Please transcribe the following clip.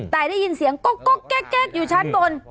แต่ได้ยินเสียงก๊อกแก๊กอยู่ชั้นบน